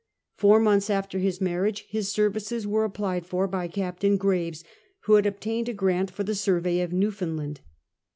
Four months after his marriage his servicqs were applied for by Captain Graves, who had obtained a grant for the survey of Newfoundland.